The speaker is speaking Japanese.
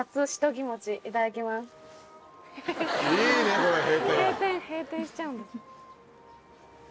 いいねこれ閉店。